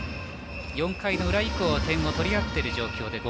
４回の裏以降点を取りあっている状況です。